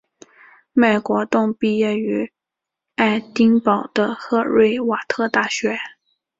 麦国栋毕业于爱丁堡的赫瑞瓦特大学。